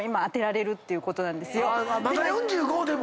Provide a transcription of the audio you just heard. まだ４５⁉でも。